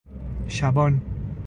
شبان